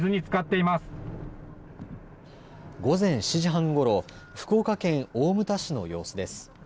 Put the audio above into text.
午前７時半ごろ、福岡県大牟田市の様子です。